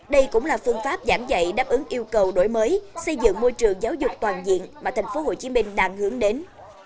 đây cũng là phương pháp giảng dạy đáp ứng yêu cầu đổi mới xây dựng môi trường giáo dục toàn diện mà thành phố hồ chí minh đang hướng đến